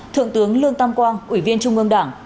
thượng tướng lương tam quang ủy viên trung ương đảng